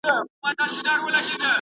انارګله